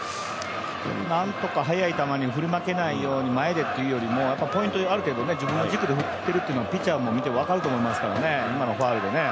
なんとか速い球に振り負けないようにと前よりもポイント、ある程度自分の軸で振ってるのはピッチャーから見ても分かりますから、今のファウルで。